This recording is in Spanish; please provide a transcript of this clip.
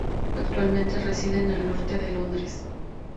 Actualmente reside en el norte de Londres.